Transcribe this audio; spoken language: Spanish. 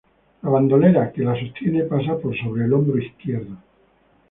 La bandolera que la sostiene pasa por sobre el hombro izquierdo.